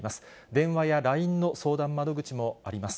電話やＬＩＮＥの相談窓口もあります。